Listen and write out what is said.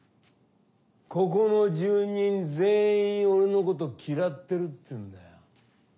ここの住人全員俺のこと嫌ってるっつうんだよ。